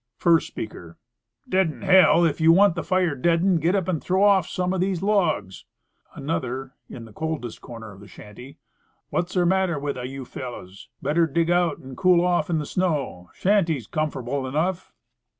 First Speaker. " Deaden h . If you want the fire deadened, get up and help throw off some of these logs." Another (in coldest corner of shanty). " What's 'er matter with a you fellows ? Better dig out an' cool off in the snow. Shanty's comfor'ble enough."